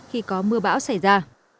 khi có mưa bão xảy ra